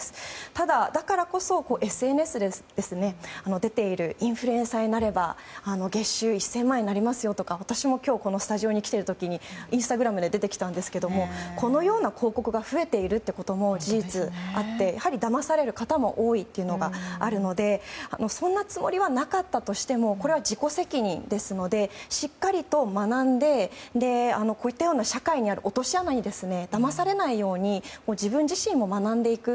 ただ、だからこそＳＮＳで出ているインフルエンサーになれば月収１０００万円になりますよとか私も今日このスタジオに来る時にインスタグラムに出てきたんですがこのような広告が増えていることも事実あってやはりだまされる方も多いということがあるのでそんなつもりはなかったとしてもこれは自己責任ですのでしっかりと学んでこういったような社会にある落とし穴にだまされないように自分自身も学んでいく。